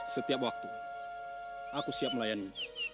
setiap waktu aku siap melayani